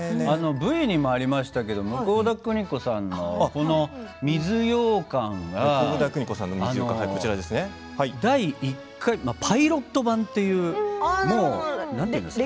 Ｖにもありましたけれども向田邦子さんの水ようかんは第１回のパイロット版という何て言うんですかね。